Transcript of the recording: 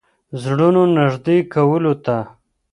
زړونو نېږدې کولو ته.